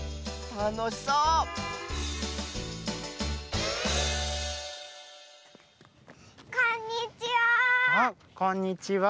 たのしそうこんにちは！